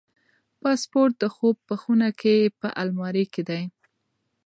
پاسپورت د خوب په خونه کې په المارۍ کې دی.